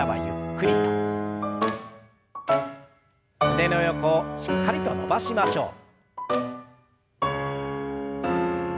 胸の横をしっかりと伸ばしましょう。